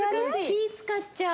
気ぃ使っちゃう。